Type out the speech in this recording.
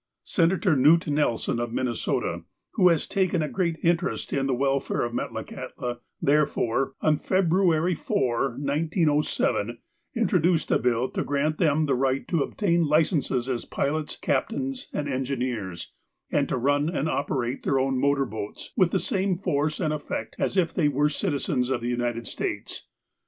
Senator Knute l^elson, of Minnesota, who has taken a great interest in the welfare of Metlakahtia, therefore, on February 4, 1907, introduced a bill to grant them the right to obtain licenses as pilots, captains, and engineers, and to run and operate their own motor boats, with the same force and effect as if they were citizens of the United States.